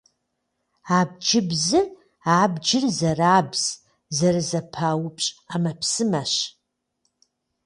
Абджыбзыр - абджыр зэрабз, зэрызэпаупщӏ ӏэмэпсымэщ.